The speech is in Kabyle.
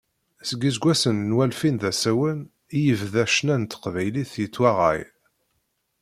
Seg iseggasen n walfin d asawen i yebda ccna n teqbaylit yettwaɣay.